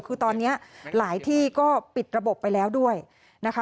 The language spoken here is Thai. คือตอนนี้หลายที่ก็ปิดระบบไปแล้วด้วยนะคะ